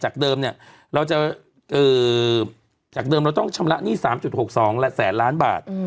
จากเดิมเนี่ยเราต้องชำระหนี้๓๖๒แสนล้านบาท